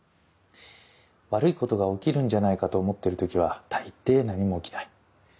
悪いことが起きるんじゃないかと思ってる時は大抵何も起きない。